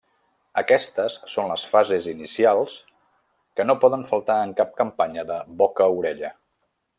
Aquestes són les fases inicials que no poden faltar en cap campanya de boca-orella.